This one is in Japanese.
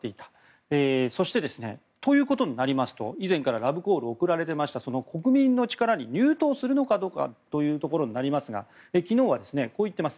そして、ということになりますと以前からラブコールを送られていましたその国民の力に入党するかどうかになりますが昨日はこう言っています。